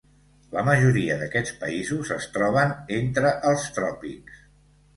La majoria d'aquests països es troben entre els tròpics.